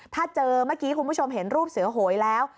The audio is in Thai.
ถ้าเจอเมื่อกี้คุณผู้ชมเห็นรูปเสือโหยแล้ว